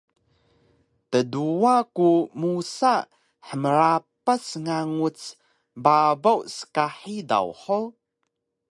Tduwa ku musa hmrapas nganguc babaw ska hidaw hug?